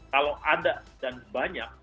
kalau ada dan banyak